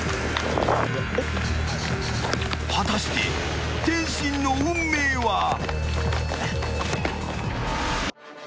［果たして天心の運命は］